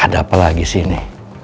ada apa lagi sih ini